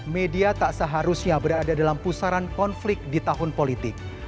media tak seharusnya berada dalam pusaran konflik di tahun politik